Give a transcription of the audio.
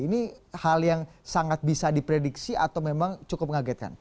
ini hal yang sangat bisa diprediksi atau memang cukup mengagetkan